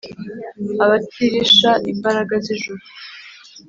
Abatirisha, imbaraga z'ijuru